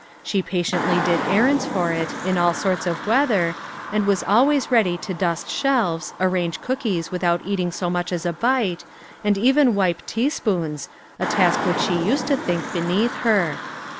She patiently did errands for it, in all sorts of weather, and was always ready to dust shelves, arrange cookies without eating so much as a bite, and even wipe teaspoons, a task which she used to think be neath her.